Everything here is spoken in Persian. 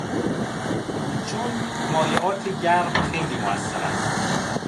چون مایعات گرم خیلی موثر است